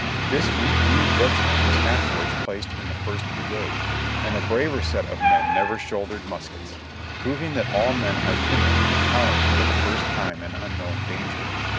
This weak kneed regiment was afterwards placed in the First Brigade, and a braver set of men never shouldered muskets; proving that all men are timid in encountering for the first time an unknown danger.